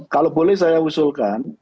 kalau boleh saya usulkan